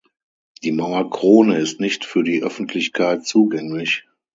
Die Mauerkrone ist nicht für die Öffentlichkeit zugänglich.